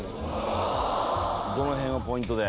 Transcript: どの辺がポイントで？